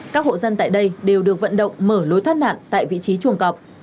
các hộ dân tại đây đều được vận động mở lối thoát nạn tại vị trí chuồng cọp